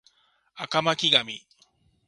赤巻紙